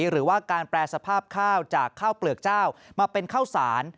หรือว่าการแปรสภาพข้าวจากข้าวเปลือกเจ้ามาเป็นข้าวสาร